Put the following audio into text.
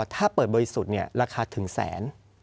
ถ้าเปิดบริสุทธิ์ราคาถึงแสน